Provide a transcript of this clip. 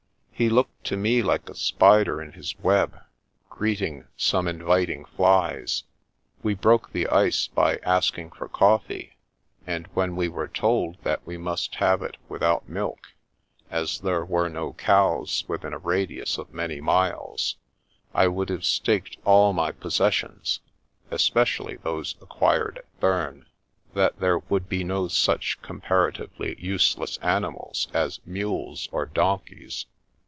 He looked to me like a spider in his web, greeting some inviting flies. We broke the ice by asking for coffee, and when we were told that we must have it without milk, as there were no cows within a radius of many miles, I would have staked all my possessions (espe cially those acquired at Bern) that there would be no such comparatively useless animals as mules or donkeys.